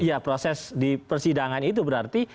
iya proses di persidangan itu berarti